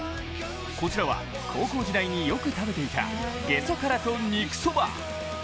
こちらは高校時代によく食べていたゲソからと肉そば。